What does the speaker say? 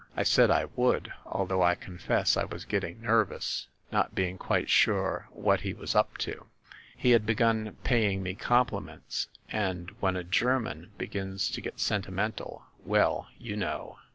I said I would; although I confess I was ^getting nervous, not being quite sure what he was up to. He had begun paying me compliments, and when a German begins to get sentimental ‚ÄĒ well, you know